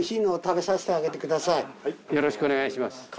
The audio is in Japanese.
よろしくお願いします。